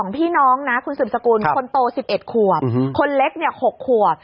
พี่น้องนะคุณสืบสกุลคนโต๑๑ขวบคนเล็ก๖ขวบ